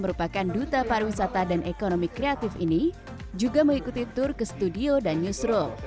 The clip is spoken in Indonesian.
merupakan duta pariwisata dan ekonomi kreatif ini juga mengikuti tur ke studio dan newsroom